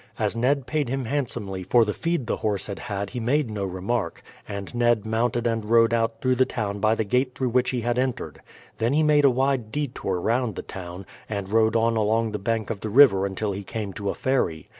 As Ned paid him handsomely for the feed the horse had had he made no remark, and Ned mounted and rode out through the town by the gate through which he had entered. Then he made a wide detour round the town, and rode on along the bank of the river until he came to a ferry.